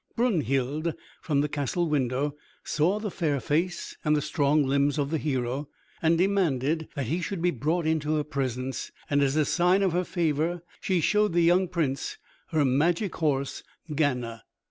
Brunhild from the castle window saw the fair face and the strong limbs of the hero, and demanded that he should be brought into her presence, and as a sign of her favor she showed the young Prince her magic horse Gana.